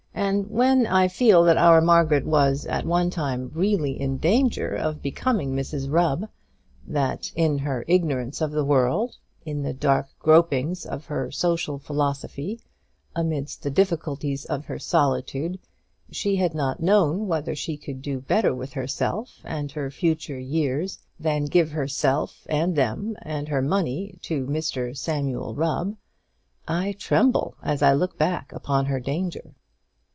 And when I feel that our Margaret was at one time really in danger of becoming Mrs Rubb, that in her ignorance of the world, in the dark gropings of her social philosophy, amidst the difficulties of her solitude, she had not known whether she could do better with herself and her future years, than give herself, and them, and her money to Mr Samuel Rubb, I tremble as I look back upon her danger.